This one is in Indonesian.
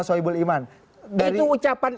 soebul iman itu ucapan